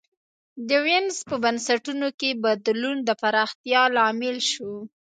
د وینز په بنسټونو کي بدلون د پراختیا لامل سو.